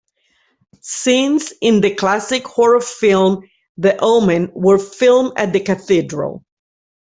Scenes in the classic horror film "The Omen" were filmed at the Cathedral.